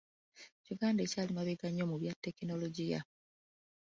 Uganda ekyali mabega nnyo mu bya tekinologiya.